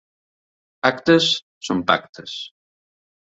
Pactes són pactes.